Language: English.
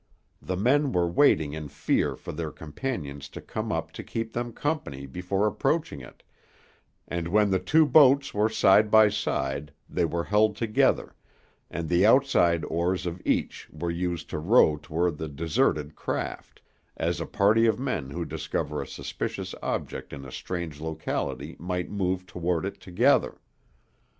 The men were waiting in fear for their companions to come up to keep them company before approaching it, and when the two boats were side by side, they were held together, and the outside oars of each were used to row toward the deserted craft, as a party of men who discover a suspicious object in a strange locality might move toward it together.